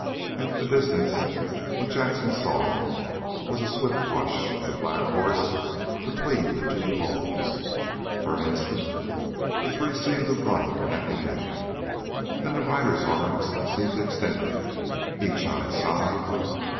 At the distance, what Jackson saw was a swift rush of the black horse between the two bulls. For an instant the three seemed to run neck and neck. Then the rider's arms seemed extended, each on its side.